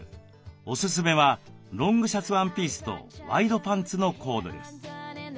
おすすめはロングシャツワンピースとワイドパンツのコーデです。